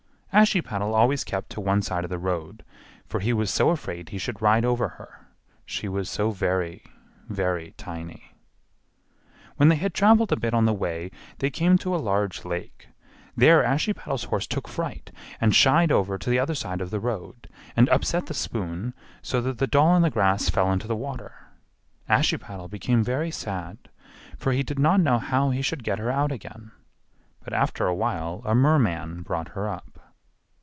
Ashiepattle always kept to one side of the road, for he was so afraid he should ride over her; she was so very, very tiny. When they had traveled a bit on the way they came to a large lake; there Ashiepattle's horse took fright and shied over to the other side of the road, and upset the spoon, so that the doll in the grass fell into the water. Ashiepattle became very sad, for he did not know how he should get her out again; but after a while a merman brought her up.